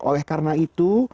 oleh karena itu